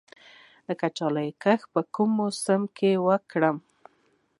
د کچالو کښت په کوم موسم کې وکړم؟